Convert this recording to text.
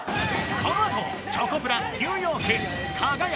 このあとチョコプラニューヨークかが屋